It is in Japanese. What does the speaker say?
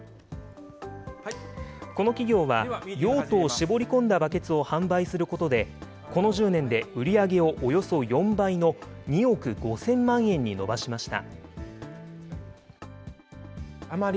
この企業は、用途を絞り込んだバケツを販売することで、この１０年で売り上げをおよそ４倍の２億５０００万円に伸ばしました。